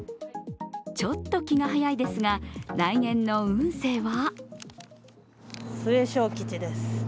ちょっと気が早いですが来年の運勢は？